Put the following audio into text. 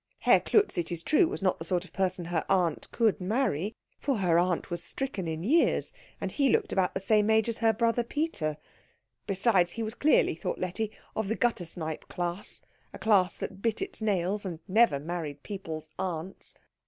Herr Klutz, it is true, was not the sort of person her aunt could marry, for her aunt was stricken in years, and he looked about the same age as her brother Peter; besides, he was clearly, thought Letty, of the guttersnipe class, a class that bit its nails and never married people's aunts.